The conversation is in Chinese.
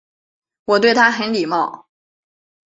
我对他很礼貌